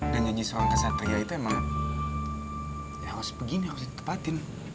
dan janji seorang kesatria itu emang harus begini harus ditepatin